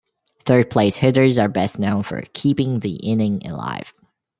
Third-place hitters are best known for "keeping the inning alive".